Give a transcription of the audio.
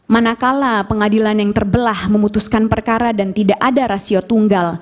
manakala pengadilan yang terbelah memutuskan perkara dan tidak ada rasio tunggal